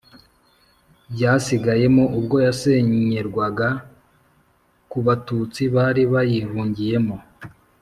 byasigayemo ubwo yasenyerwaga ku batutsi bari bayihungiyemo